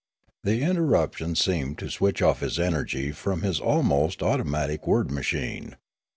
The interruption seemed to switch off his energy from his almost automatic word machine.